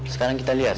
sekarang kita lihat